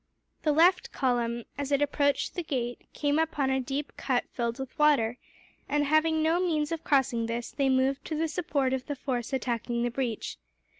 The left column, as it approached the gate, came upon a deep cut filled with water and, having no means of crossing this, they moved to the support of the force attacking the breach.